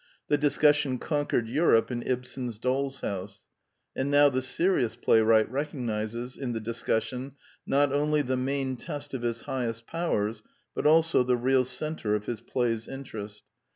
The discussion conquered Europe in Ibsen's Doll's House; and now the serious play wright recognizes in the discussion not only the main test of his highest powers, but also the real centre of his play's interest.